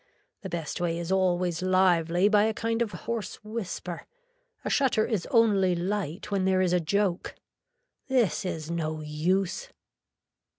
The best way is always lively by a kind of a hoarse whisper. A shutter is only light when there is a joke. This is no use.